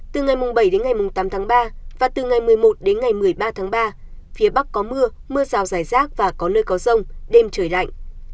từ ngày bảy đến ngày tám tháng ba và từ ngày một mươi một đến ngày một mươi ba tháng ba phía bắc có mưa mưa rào rải rác và có nơi có rông đêm trời lạnh